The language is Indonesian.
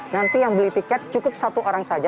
nanti yang beli tiket cukup satu orang saja